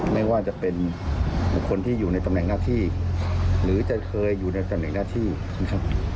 ไม่ว่าจะเป็นบุคคลที่อยู่ในตำแหน่งหน้าที่หรือจะเคยอยู่ในตำแหน่งหน้าที่นะครับ